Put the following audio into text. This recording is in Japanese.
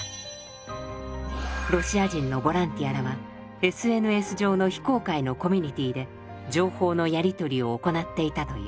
ロシア人のボランティアらはＳＮＳ上の非公開のコミュニティーで情報のやり取りを行っていたという。